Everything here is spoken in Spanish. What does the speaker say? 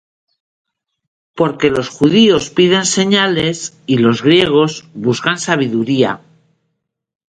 Porque los Judíos piden señales, y los Griegos buscan sabiduría: